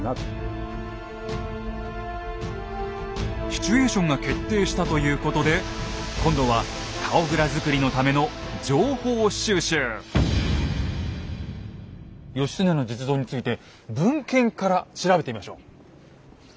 シチュエーションが決定したということで今度は義経の実像について文献から調べてみましょう。